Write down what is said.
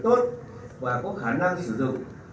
tốt và có khả năng sử dụng